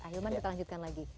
ayuman kita lanjutkan lagi